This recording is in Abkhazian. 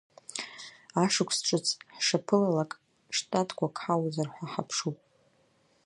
Ашықәс ҿыц ҳшаԥылалак, штатқәак ҳауазар ҳәа ҳаԥшуп.